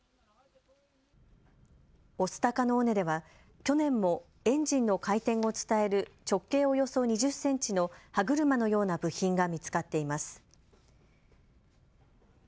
御巣鷹の尾根では去年もエンジンの回転を伝える直径およそ２０センチの歯車のような部品が見つかっています。